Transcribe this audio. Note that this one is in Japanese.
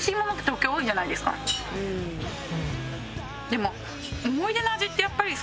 でも。